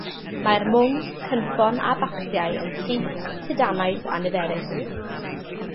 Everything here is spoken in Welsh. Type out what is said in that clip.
Mae'r mwng, cynffon a bacsiau yn syth, sidanaidd a niferus.